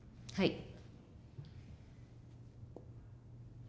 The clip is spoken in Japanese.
はい。